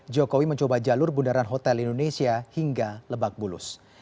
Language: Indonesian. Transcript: jokowi mencoba jalur bundaran hotel indonesia hingga lebak bulus